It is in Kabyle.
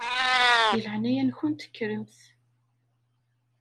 Di leɛnaya-nkent kkremt.